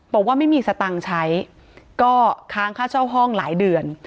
บอกว่าไม่มีสตังค์ใช้ก็ค้างค่าเช่าห้องหลายเดือน